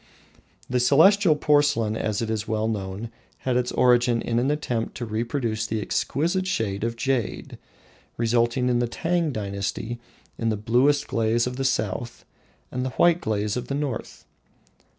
The Celestial porcelain, as is well known, had its origin in an attempt to reproduce the exquisite shade of jade, resulting, in the Tang dynasty, in the blue glaze of the south, and the white glaze of the north.